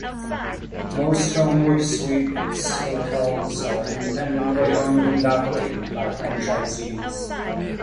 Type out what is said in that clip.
Most Homewood Suites hotels are independently owned and operated by franchisees.